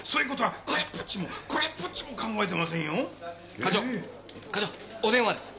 課長課長お電話です。